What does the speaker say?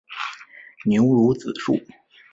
牛乳子树